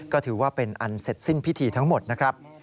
ก็ถือว่าเป็นอันเสร็จสิ้นพิธีทั้งหมดนะครับ